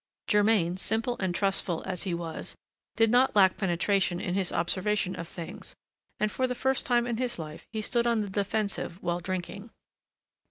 Germain, simple and trustful as he was, did not lack penetration in his observation of things, and for the first time in his life he stood on the defensive while drinking.